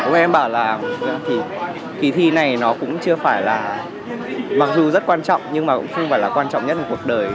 các em bảo là thí thi này nó cũng chưa phải là mặc dù rất quan trọng nhưng mà cũng không phải là quan trọng nhất của cuộc đời